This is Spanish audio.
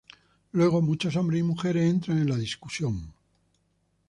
Luego muchos hombres y mujeres entran en la discusión.